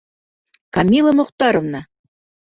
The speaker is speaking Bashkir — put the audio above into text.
Камила Мөхтәровна!..